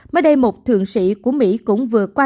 mới đây một thượng sĩ của mỹ cũng vừa qua